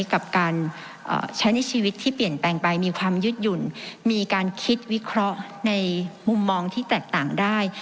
กับการใช้ในชีวิตที่เปลี่ยนแปลงไปมีความยึดหยุ่นมีการคิดวิเคราะห์ในมุมมองที่แตกต่างได้